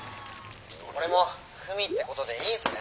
これもふみってことでいいんすね？」。